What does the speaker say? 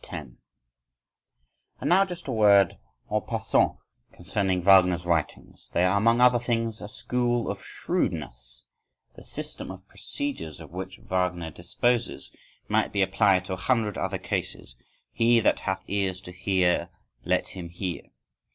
_ 10. And now just a word en passant concerning Wagner's writings: they are among other things a school of shrewdness. The system of procedures of which Wagner disposes, might be applied to a hundred other cases,—he that hath ears to hear let him hear.